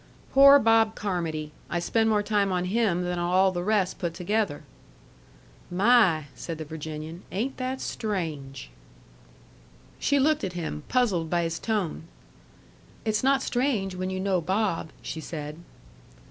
"Poor Bob Carmody. I spend more time on him than on all the rest put together." "My!" said the Virginian. "Ain't that strange!" She looked at him, puzzled by his tone. "It's not strange when you know Bob," she said.